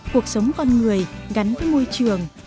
cuộc sống con người gắn với môi trường